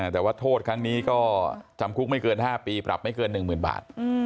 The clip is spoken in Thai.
แต่ว่าโทษครั้งนี้ก็จำคุกไม่เกินห้าปีปรับไม่เกินหนึ่งหมื่นบาท